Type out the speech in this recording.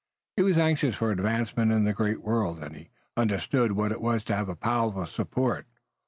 He was anxious for advancement in the great world, and he understood what it was to have powerful support.